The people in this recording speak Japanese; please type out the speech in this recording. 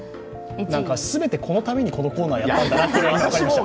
全てこのためにこのコーナーやったんだなというのが分かりました。